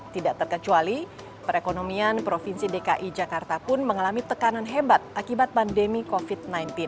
tidak terkecuali perekonomian provinsi dki jakarta pun mengalami tekanan hebat akibat pandemi covid sembilan belas